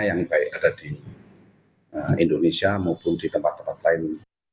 yang baik ada di indonesia maupun di tempat tempat lain